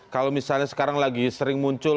kalau misalnya sekarang lagi sering muncul